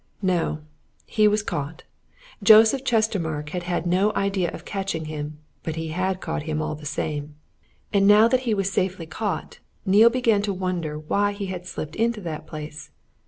No! he was caught. Joseph Chestermarke had had no idea of catching him but he had caught him all the same. And now that he was safely caught, Neale began to wonder why he had slipped into that place.